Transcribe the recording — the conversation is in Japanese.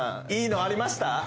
いいのありました？